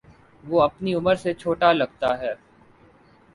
وہ اپنی عمر سے چھوٹا لگتا ہے